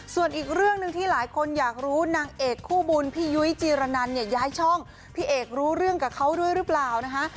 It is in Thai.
ส่วนอีกเรื่องหนึ่งที่หลายคนอยากรู้นางเอกคู่บุญพี่ยุ้ยจีรนันเนี่ยย้ายช่องพี่เอกรู้เรื่องกับเขาด้วยหรือเปล่านะคะ